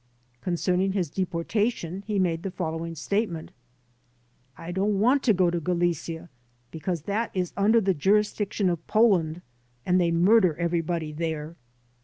Concerning his deportation he made the following state ment : "I don't want to go to Galicia because that is under the juris diction of Poland and they murder everybody there."